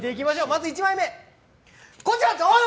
まず１枚目、こちら！